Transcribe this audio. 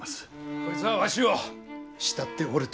こいつはわしを慕っておると。